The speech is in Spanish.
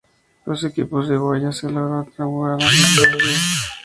Los equipos de Guayas, El Oro, Tungurahua y Los Ríos.